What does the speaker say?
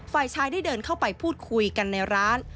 ฝ่ายชายได้เดินเข้าไปพูดคุยกันในร้าน